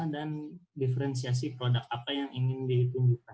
dan diferensiasi produk apa yang ingin dihitung juga